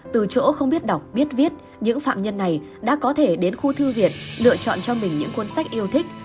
từ chỗ không biết đọc biết viết những phạm nhân này đã có thể đến khu thư viện lựa chọn cho mình những cuốn sách yêu thích